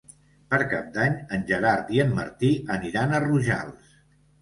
Per Cap d'Any en Gerard i en Martí aniran a Rojals.